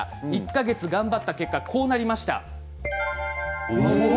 １か月頑張った結果こうなりました。